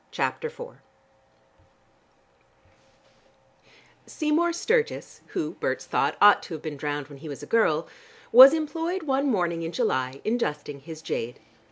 CHAPTER IV Seymour Sturgis (who, Berts thought, ought to have been drowned when he was a girl) was employed one morning in July in dusting his jade.